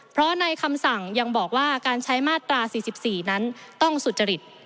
เพราะในคำสั่งยังบอกว่าการใช้มาตรา๔๔นั้นต้องสุจริต